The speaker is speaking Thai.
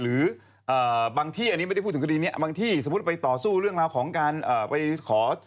หรือบางที่อันนี้ไม่ได้พูดถึงคดีนี้บางที่สมมุติไปต่อสู้เรื่องราวของการไปขอ